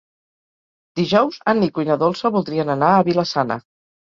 Dijous en Nico i na Dolça voldrien anar a Vila-sana.